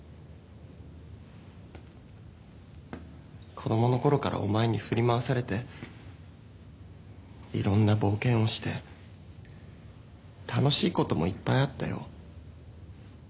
子供のころからお前に振り回されていろんな冒険をして楽しいこともいっぱいあったよ。